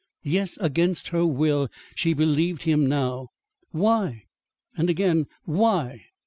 Yes, against her will, she believed him now. Why? and again, why?